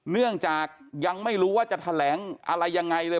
เนื่องจากยังไม่รู้ว่าจะแถลงอะไรยังไงเลย